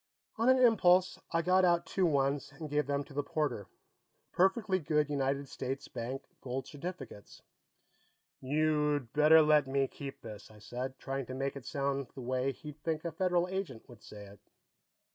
On an impulse, I got out two ones and gave them to the porter perfectly good United States Bank gold certificates. "You'd better let me keep this," I said, trying to make it sound the way he'd think a Federal Agent would say it.